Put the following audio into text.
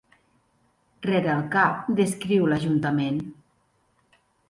Rere el cap descriu l'ajuntament.